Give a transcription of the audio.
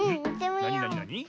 なになになに？